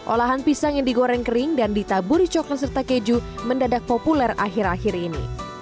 olahan pisang yang digoreng kering dan ditaburi coklat serta keju mendadak populer akhir akhir ini